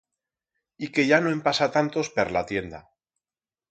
Y que ya no en pasa tantos per la tienda.